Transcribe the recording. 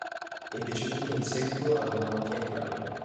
È deceduto in seguito ad una malattia incurabile.